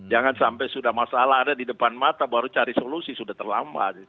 jangan sampai sudah masalah ada di depan mata baru cari solusi sudah terlambat